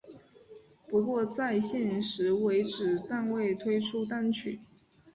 不过在现时为止暂未推出单曲。